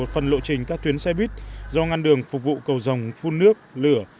phần lộ trình các tuyến xe buýt do ngăn đường phục vụ cầu dòng phun nước lửa